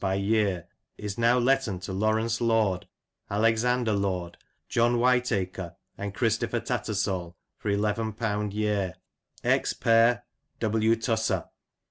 by yere, is now letten to Lawrence Lorde, Alexander Lorde, John Whiteacr, and Christopher Tattersall for £,\\ yere. Ex. per W. Tusser."